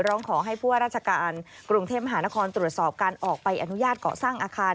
ร้องขอให้ผู้ว่าราชการกรุงเทพมหานครตรวจสอบการออกใบอนุญาตก่อสร้างอาคาร